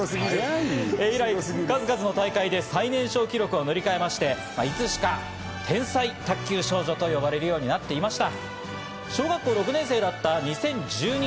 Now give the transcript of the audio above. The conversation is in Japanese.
以来、数々の大会で最年少記録を塗り替えまして、いつしか天才卓球少女と呼ばれるようになっていました。